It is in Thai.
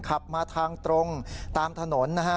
ขับมาทางตรงตามถนน